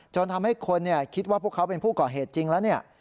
จนทำให้คนคิดว่าพวกเขาเป็นผู้ก่อเหตุจริงแล้วเนี่ย